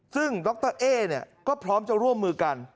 ซึ่งดรเอ๊ก็พร้อมจะร่วมมือกัน